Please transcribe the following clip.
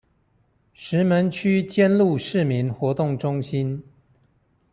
石門區尖鹿市民活動中心